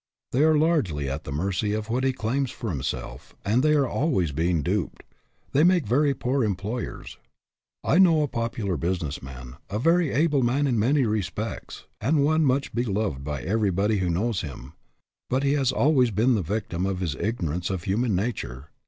They are largely at the mercy of what he claims for himself, and they are always being duped. They make very poor employers. I know a popular business man, a very able man in many respects, and one much beloved by everybody who knows him, but he has al ways been the victim of his ignorance of hu man nature.